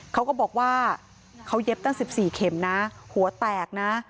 เขาก็บอกว่าเขาเย็บตั้ง๑๔เข็มนะหัวแตกนะ